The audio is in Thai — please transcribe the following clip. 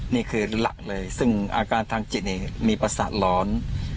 นี่คือหลักเลยซึ่งอาการทางจิตเองมีประสาทร้อน